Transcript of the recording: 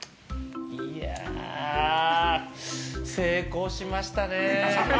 いや、成功しましたね。